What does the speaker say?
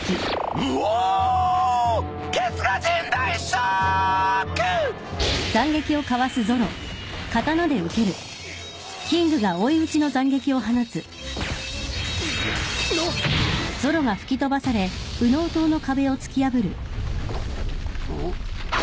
うおっ！